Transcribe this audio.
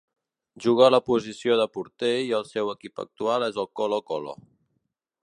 Juga a la posició de porter i el seu equip actual és el Colo-Colo.